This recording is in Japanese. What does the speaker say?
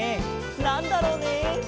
なんだろうね？